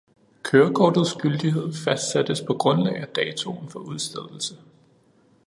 Kørekortets gyldighed fastsættes på grundlag af datoen for udstedelse